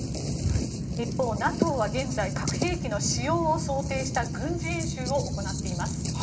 一方ＮＡＴＯ、アメリカは核兵器の使用を想定した軍事演習を行っています。